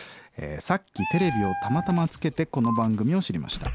「さっきテレビをたまたまつけてこの番組を知りました。